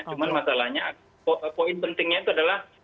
cuma masalahnya poin pentingnya itu adalah